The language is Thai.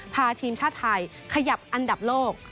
พาทีมชาติไทยขยับอันดับโลก